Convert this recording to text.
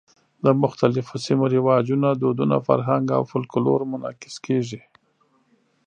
د مختلفو سیمو رواجونه، دودونه، فرهنګ او فولکلور منعکس کېږي.